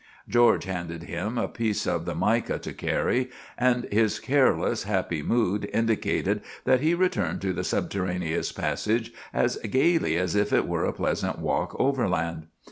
George handed him a piece of the mica to carry, and his careless, happy mood indicated that he returned to the subterraneous passage as gaily as if it were a pleasant walk overland.